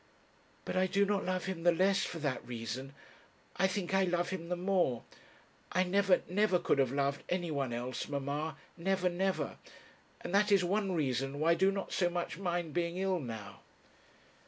'But I do not love him the less for that reason; I think I love him the more. I never, never, could have loved anyone else, mamma; never, never; and that is one reason why I do not so much mind being ill now.'